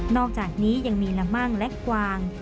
อกจากนี้ยังมีละมั่งและกวาง